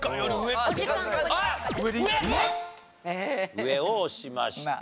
上を押しました。